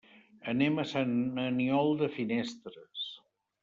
Anem a Sant Aniol de Finestres.